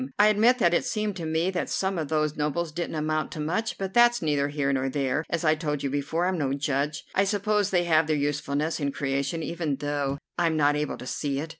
I admit that it seemed to me that some of those nobles didn't amount to much. But that's neither here nor there; as I told you before, I'm no judge. I suppose they have their usefulness in creation, even though I'm not able to see it.